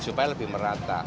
supaya lebih merata